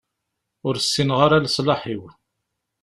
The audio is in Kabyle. Ur ssineɣ ara leṣlaḥ-iw.